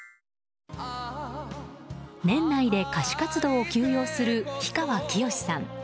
年内で歌手活動を休養する氷川きよしさん。